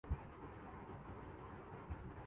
ایک اور اناؤنسر پدمنی پریرا ہیں۔